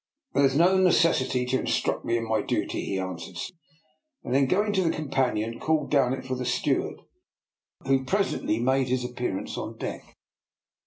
" There is no necessity to instruct me in my duty," he answered stiffly, and then going to the companion called down it for the steward, who presently n;;iade his appearance on deck.